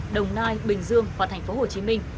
đồng nai bình dương và thành phố hồ chí minh